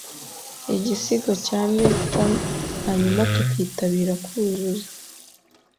igisigo cya Milton, hanyuma tukitabira kuzuza